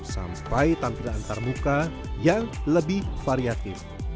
sampai tampilan antar muka yang lebih variatif